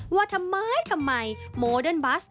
ว่าทำไมโมเดินบัส